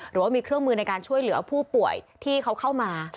หรือว่ามีเครื่องมือในการช่วยเหลือผู้ป่วยที่เขาเข้ามา